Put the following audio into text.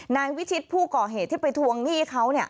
นายวิชิตผู้ก่อเหตุที่ไปทวงหนี้เขา